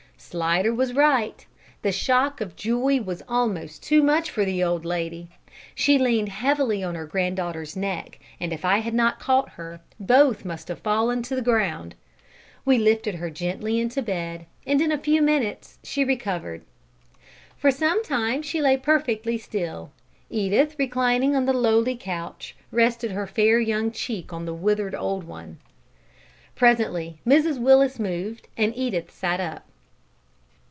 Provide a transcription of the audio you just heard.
Slidder was right. The shock of joy was almost too much for the old lady. She leaned heavily on her granddaughter's neck, and if I had not caught her, both must have fallen to the ground. We lifted her gently into bed, and in a few minutes she recovered. For some time she lay perfectly still. Edith, reclining on the lowly couch, rested her fair young cheek on the withered old one. Presently Mrs Willis moved, and Edith sat up.